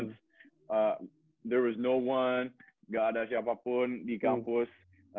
tidak ada siapa siapa di kampus